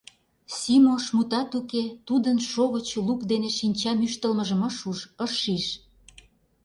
Симош, мутат уке, тудын шовыч лук дене шинчам ӱштылмыжым ыш уж, ыш шиж.